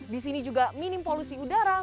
disini juga minim polusi udara